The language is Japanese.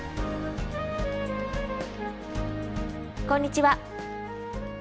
こんにちは。